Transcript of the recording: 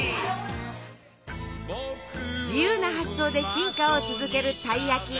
自由な発想で進化を続けるたい焼き！